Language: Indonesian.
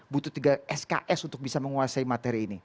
butuh tiga sks untuk bisa menguasai materi ini